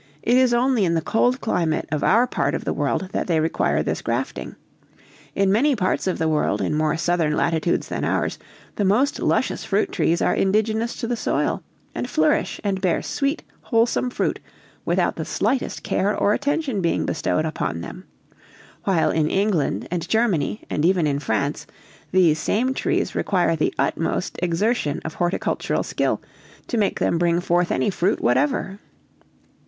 "It is only in the cold climate of our part of the world that they require this grafting; in many parts of the world, in more southern latitudes than ours, the most luscious fruit trees are indigenous to the soil, and flourish and bear sweet, wholesome fruit, without the slightest care or attention being bestowed upon them; while in England and Germany, and even in France, these same trees require the utmost exertion of horticultural skill to make them bring forth any fruit whatever.